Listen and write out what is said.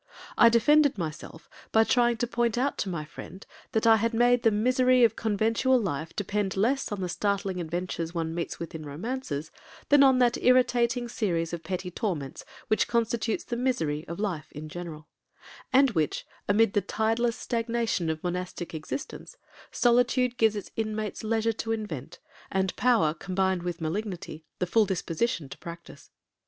I defended myself, by trying to point out to my friend, that I had made the misery of conventual life depend less on the startling adventures one meets with in romances, than on that irritating series of petty torments which constitutes the misery of life in general, and which, amid the tideless stagnation of monastic existence, solitude gives its inmates leisure to invent, and power combined with malignity, the full disposition to practise.